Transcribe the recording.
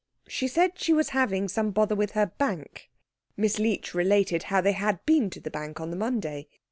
She said she was having some bother with her bank. Miss Leech related how they had been to the bank on the Monday.